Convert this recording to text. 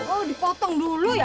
oh dipotong dulu ya